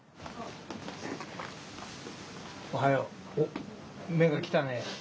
おはよう。おっ目が来たね。